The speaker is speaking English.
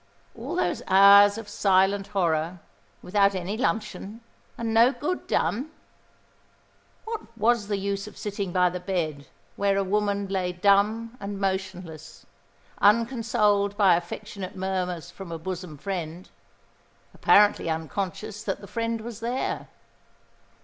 All those hours of silent horror, without any luncheon, and no good done! What was the use of sitting by the bed where a woman lay dumb and motionless, unconsoled by affectionate murmurs from a bosom friend, apparently unconscious that the friend was there.